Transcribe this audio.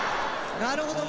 なるほどね。